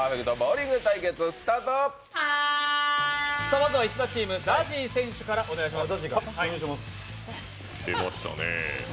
まずは石田チーム、ＺＡＺＹ選手からお願いします。